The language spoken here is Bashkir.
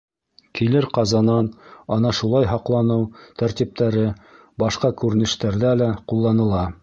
Килер ҡазанан ана шулай һаҡланыу тәртиптәре башҡа күренештәрҙә лә ҡулланыла.